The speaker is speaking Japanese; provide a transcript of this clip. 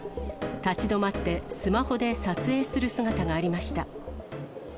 立ち止まってスマホで撮影する姿がありました。